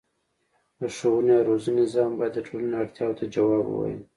د ښوونې او روزنې نظام باید د ټولنې اړتیاوو ته ځواب ووايي.